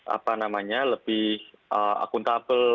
apa namanya lebih akuntabel